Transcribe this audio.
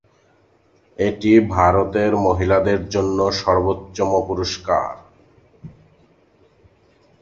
এটি ভারতের মহিলাদের জন্য সর্বোচ্চ পুরস্কার।